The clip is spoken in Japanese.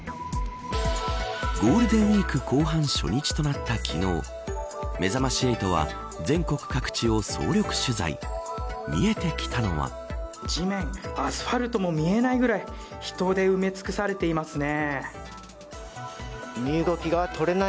ゴールデンウイーク後半初日となった昨日めざまし８は全国各地を総力取材地面、アスファルトも見えないぐらい、人で埋め尽くされていますね。